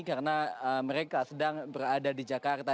karena mereka sedang berada di jakarta